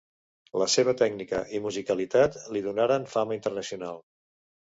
La seva tècnica i musicalitat li donaren fama internacional.